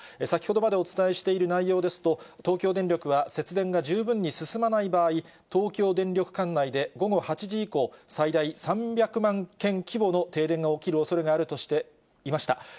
先ほどまでお伝えしているないようですと、東京電力は、節電が十分に進まない場合、東京電力管内で、午後８時以降、最大３００万軒規模の停電が起きるおそれがあるとしていました。